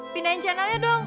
pindahin channelnya dong